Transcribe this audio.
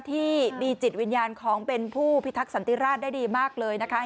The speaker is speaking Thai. ที่มีจิตวิญญาณของเป็นผู้พิทักษันติราชได้ดีมากเลยนะคะ